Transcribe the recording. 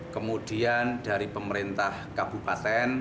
kemudian dari pemerintah kabupaten